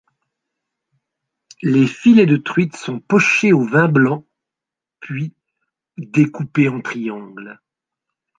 Les filets de truite sont pochés au vin blanc puis découpés en triangles.